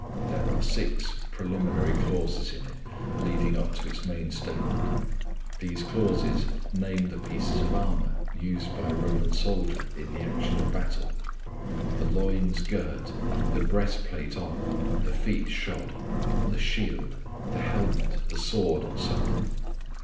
There are six preliminary clauses in it leading up to its main statement. These clauses name the pieces of armour used by a Roman soldier in the action of battle. The loins girt, the breastplate on, the feet shod, the shield, the helmet the sword, and so on.